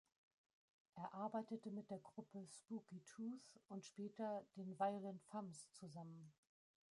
Er arbeitete mit der Gruppe Spooky Tooth und später den Violent Femmes zusammen.